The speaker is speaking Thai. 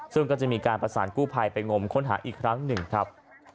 ซึ่งก็จะมีการประสานกู้ภัยไปงมค้นหาอีกครั้งหนึ่งครับ